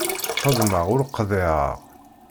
Xeddmeɣ ur qḍiɛeɣ.